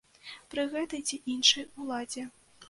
Пры гэтай ці іншай уладзе.